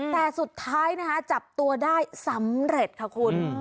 แต่สุดท้ายนะคะจับตัวได้สำเร็จค่ะคุณ